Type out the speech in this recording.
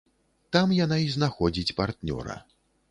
Там яна і знаходзіць партнёра.